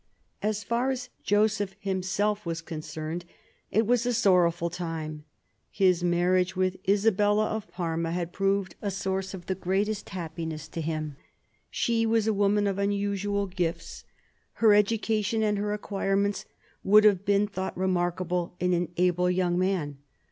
As far as Joseph himself was concerned, it was a sorrowful time. His marriage with Isabella of Parma had proved a source of the greatest happiness to him. She was a woman of unusual gifts. Her education and her acquirements would have been thought remarkable in an able young man.